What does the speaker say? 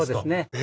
え！